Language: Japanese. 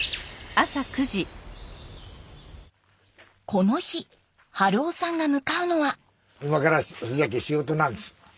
この日春生さんが向かうのは。